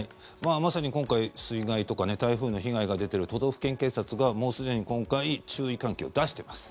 まさに今回水害とか台風の被害が出ている都道府県警察がもうすでに今回注意喚起を出してます。